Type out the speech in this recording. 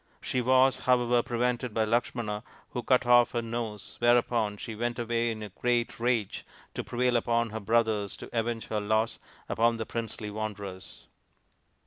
She was, however, prevented by Lakshmana, who cut off her nose, whereupon she went away in a great rage to prevail upon her brothers to avenge her loss upon the princely wanderers.